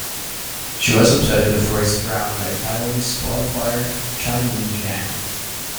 She was upset in the first round by Taiwanese qualifier Chan Yung-jan.